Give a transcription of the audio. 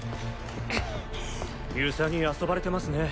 遊佐に遊ばれてますね。